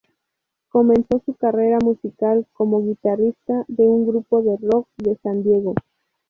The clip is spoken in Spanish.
Comenzó su carrera musical como guitarrista de un grupo de rock de San Diego.